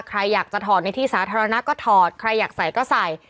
ใครอยากจะถอดในที่สาธารณะก็ถอดใครอยากใส่ก็ใส่